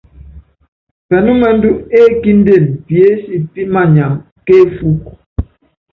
Pɛnúmɛndú ékíndene piénsi pímanyam kéfúku.